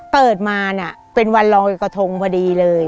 เปิดมาเนี่ยเป็นวันรอยกระทงพอดีเลย